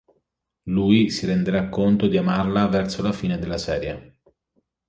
Lui si renderà conto di amarla verso la fine della serie.